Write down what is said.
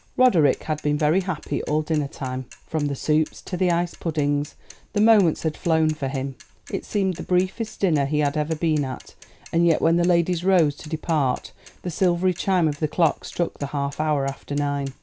Roderick had been very happy all dinner time. From the soups to the ice puddings the moments had flown for him. It seemed the briefest dinner he had ever been at; and yet when the ladies rose to depart the silvery chime of the clock struck the half hour after nine.